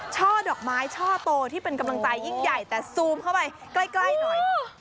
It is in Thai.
ช่อดอกไม้ช่อโตที่เป็นกำลังใจยิ่งใหญ่แต่ซูมเข้าไปใกล้หน่อย